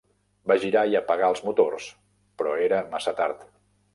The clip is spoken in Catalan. Va girar i apagar els motors, però era massa tard.